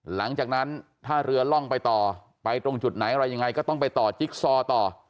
หลังจากนั้นถ้าเรือล่องไปต่อไปตรงจุดไหนอะไรยังไงก็ต้องไปต่อจิ๊กซอต่อ